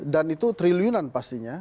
dan itu triliunan pastinya